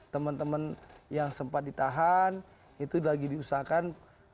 teman teman yang sempat ditahan itu lagi diusahakan